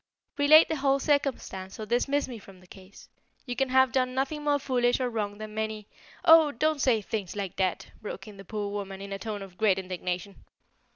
Relate the whole circumstance or dismiss me from the case. You can have done nothing more foolish or wrong than many " "Oh, don't say things like that!" broke in the poor woman in a tone of great indignation.